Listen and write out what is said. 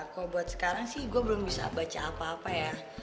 kalau buat sekarang sih gue belum bisa baca apa apa ya